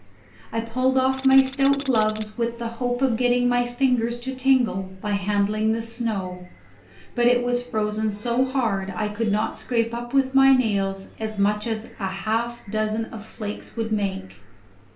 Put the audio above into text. I pulled off my stout gloves with the hope of getting my fingers to tingle by handling the snow; but it was frozen so hard I could not scrape up with my nails as much as a half dozen of flakes would make.